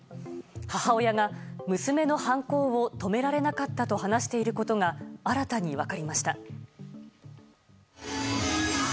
母親が、娘の犯行を止められなかったと話していることが新たに分かりました。